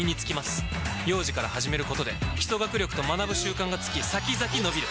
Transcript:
幼児から始めることで基礎学力と学ぶ習慣がつき先々のびる！